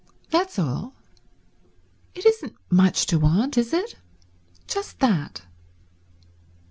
That's all. It isn't much to want, is it? Just that."